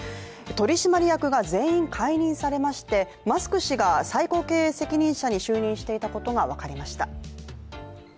取締役が全員解任されまして、マスク氏が最高経営責任者に就任していたことが分かりました。